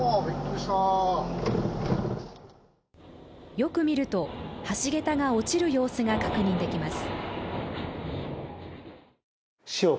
よく見ると、橋桁が落ちる様子が確認できます。